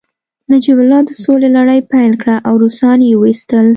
نجیب الله د سولې لړۍ پیل کړه او روسان يې وويستل